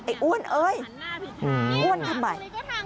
อ้วนเอ้ยอ้วนทำไม